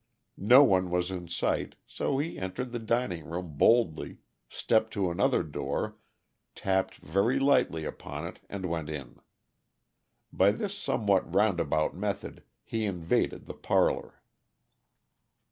No one was in sight, so he entered the dining room boldly, stepped to another door, tapped very lightly upon it, and went in. By this somewhat roundabout method he invaded the parlor.